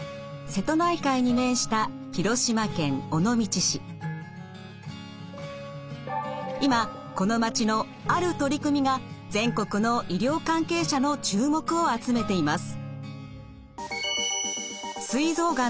瀬戸内海に面した今この町のある取り組みが全国の医療関係者の注目を集めています。